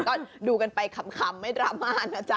ก็ดูกันไปขำไม่ดราม่านะจ๊